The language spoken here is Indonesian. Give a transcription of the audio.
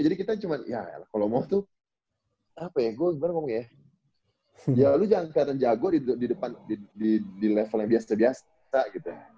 jadi kita cuma ya kalau mau tuh apa ya gue sebenernya ngomong kayak ya lu jangan keliatan jago di depan di level yang biasa biasa gitu ya